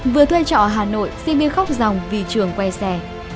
vừa thuê trọ hà nội xin viên khóc dòng vì trường quay xe